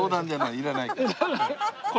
いらない？